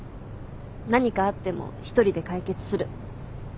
何かあっても一人で解決する。